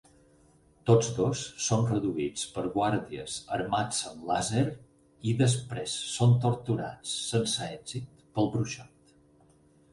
Tots dos són reduïts per guàrdies armats amb làser i després són torturats sense èxit pel bruixot.